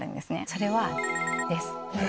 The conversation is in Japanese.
それはです。